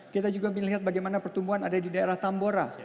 kita juga melihat bagaimana pertumbuhan ada di daerah tambora